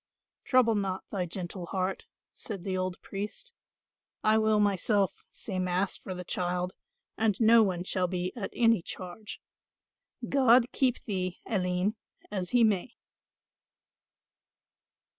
Grief. "Trouble not thy gentle heart," said the old priest, "I will myself say mass for the child, and no one shall be at any charge. God keep thee, Aline, as he may."